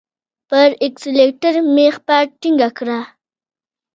پر اکسلېټر مي پښه ټینګه کړه !